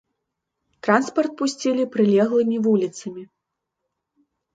Транспарт пусцілі прылеглымі вуліцамі.